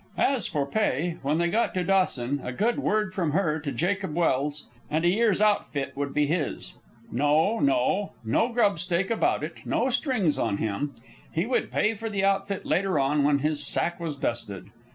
As for pay, when they got to Dawson, a good word from her to Jacob Welse, and a year's outfit would be his. No, no; no grub stake about it, no strings on him! He would pay for the outfit later on when his sack was dusted.